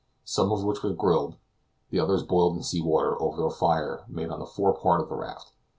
some of which were grilled, and others boiled in sea water over a fire made on the fore part of the raft.